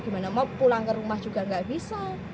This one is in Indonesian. mau pulang ke rumah juga tidak bisa